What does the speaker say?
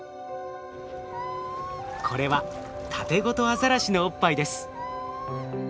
これはタテゴトアザラシのおっぱいです。